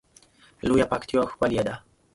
لویه پکتیا ښکلی ده